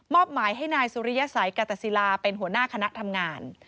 หมายให้นายสุริยสัยกาตศิลาเป็นหัวหน้าคณะทำงาน